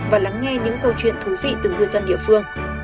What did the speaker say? và lắng nghe những câu chuyện thú vị từ ngư dân địa phương